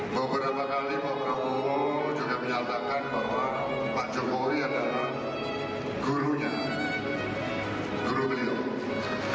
bapak prabowo juga menyatakan bahwa pak jokowi adalah gurunya guru beliau